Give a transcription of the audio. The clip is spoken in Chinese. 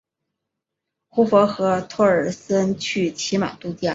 胡佛和托尔森去骑马度假。